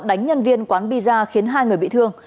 đánh nhân viên quán pizza khiến hai người bị thương